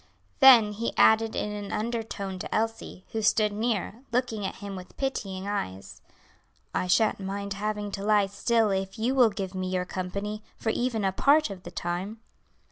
Then he added in an undertone to Elsie, who stood near, looking at him with pitying eyes, "I shan't mind having to lie still if you will give me your company for even a part of the time."